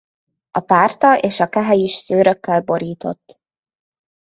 A párta és a kehely is szőrökkel borított.